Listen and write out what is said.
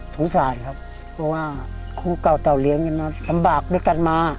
สงสารครับเพราะว่าคู่เก่าเต่าเลี้ยงกันมาลำบากด้วยกันมา